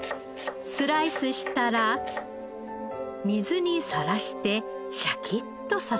スライスしたら水にさらしてシャキッとさせます。